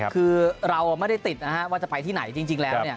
คือเราไม่ได้ติดนะฮะว่าจะไปที่ไหนจริงแล้ว